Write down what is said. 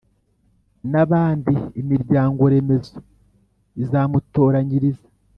n’abandi imiryango remezo izamutoranyiriza